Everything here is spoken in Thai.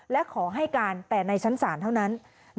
และขอให้การแต่ในชั้นศาลเท่านั้น